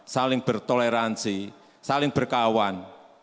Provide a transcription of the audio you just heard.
saling bertoleransi saling berkawan